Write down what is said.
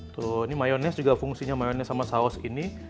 tuh ini mayonese juga fungsinya mayonese sama saus ini